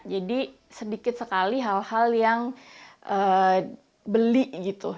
jadi sedikit sekali hal hal yang beli gitu